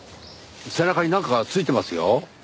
背中になんかついてますよ。